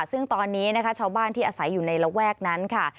ซึ่งตอนนี้นะคะชาวบ้านที่อาศัยอยู่ในระแวกนั้นค่ะ